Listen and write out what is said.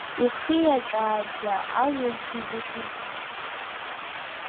Ихиаҵәааӡа алҩаҵәгьы ӡыҭит.